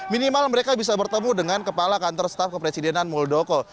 minimal mereka bisa bertemu dengan kepala kantor staf kepresidenan muldoko